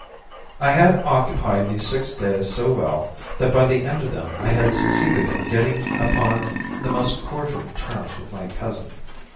I had occupied these six days so well, that by the end of them I had succeeded in getting upon the most cordial terms with my cousin.